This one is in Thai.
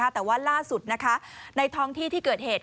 แต่ว่าล่าสุดในท้องที่ที่เกิดเหตุ